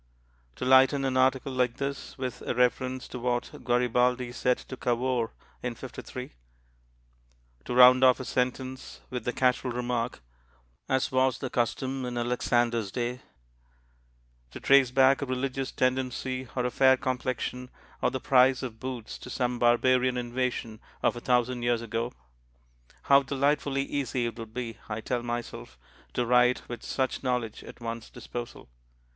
To lighten an article like this with a reference to what Garibaldi said to Cavour in '53; to round off a sentence with the casual remark, "As was the custom in Alexander's day"; to trace back a religious tendency, or a fair complexion, or the price of boots to some barbarian invasion of a thousand years ago how delightfully easy it would be, I tell myself, to write with such knowledge at one's disposal.